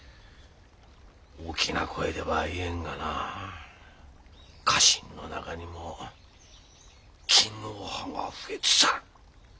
大きな声では言えんがな家臣の中にも勤皇派は増えつつある。